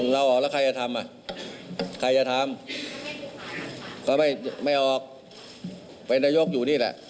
เราออกแล้วใครจะทำอ่ะใครจะทำก็ไม่ออกเป็นนายกอยู่นี่แหละ